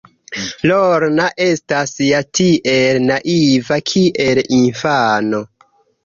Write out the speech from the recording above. Lorna estas ja tiel naiva, kiel infano.